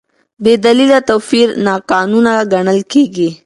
بېدلیله توپیر ناقانونه ګڼل کېږي.